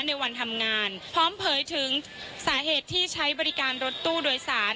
ในวันทำงานพร้อมเผยถึงสาเหตุที่ใช้บริการรถตู้โดยสาร